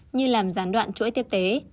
như làm gián đoạn chuỗi tiếp tế